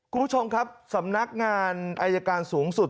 คุณผู้ชมครับสำนักงานอายการสูงสุด